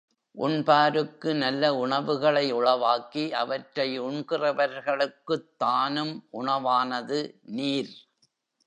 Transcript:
உண்பாருக்கு நல்ல உணவுகளை உளவாக்கி, அவற்றை உண்கிறவர்களுக்குத் தானும் உணவானது நீர்.